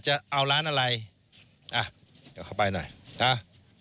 จะเอาร้านอะไรอ่ะเดี๋ยวเข้าไปหน่อยนะ